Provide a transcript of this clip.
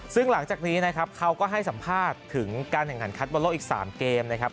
ซึ่งหลังจากนี้นะครับเขาก็ให้สัมภาษณ์ถึงการแข่งขันคัดบอลโลกอีก๓เกมนะครับ